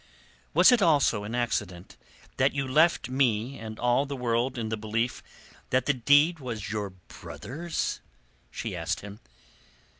"Was it also an accident that you left me and all the world in the belief that the deed was your brother's?" she asked him.